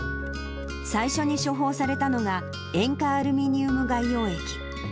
最初に処方されたのが塩化アルミニウム外用液。